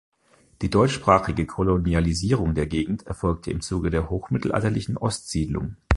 Die deutschsprachige Kolonisierung der Gegend erfolgte im Zuge der Hochmittelalterlichen Ostsiedlung.